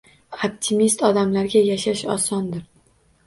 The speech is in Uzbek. Optimist odamlarga yashash osondir